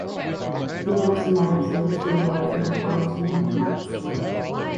She loves the meadows close to the woods or the forest, or even the coppices.